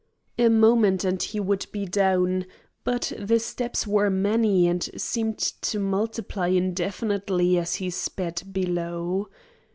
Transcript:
A moment and he would be down; but the steps were many and seemed to multiply indefinitely as he sped below.